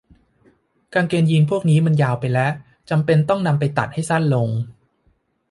กางเกงยีนส์พวกนี้มันยาวไปและจำเป็นต้องนำไปตัดให้สั้นลง